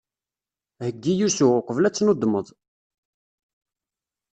Heggi usu, uqbel ad tennudmeḍ.